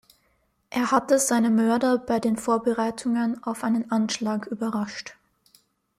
Er hatte seine Mörder bei den Vorbereitungen auf einen Anschlag überrascht.